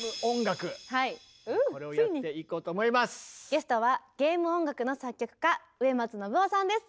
ゲストはゲーム音楽の作曲家植松伸夫さんです。